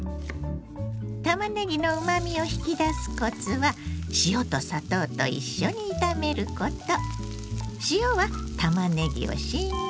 たまねぎのうまみを引き出すコツは塩と砂糖と一緒に炒めること。